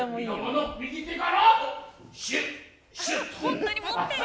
本当に持ってる。